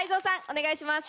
お願いします。